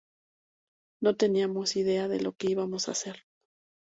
No teníamos idea de lo que íbamos a hacer.